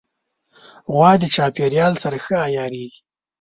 غوا د چاپېریال سره ښه عیارېږي.